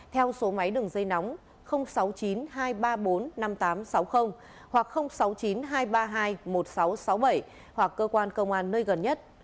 theo số máy đường dây nóng sáu mươi chín hai trăm ba mươi bốn năm nghìn tám trăm sáu mươi hoặc sáu mươi chín hai trăm ba mươi hai một nghìn sáu trăm sáu mươi bảy hoặc cơ quan công an nơi gần nhất